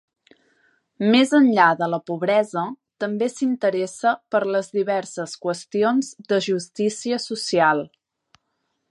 Més enllà de la pobresa, també s'interessa per les diverses qüestions de justícia social.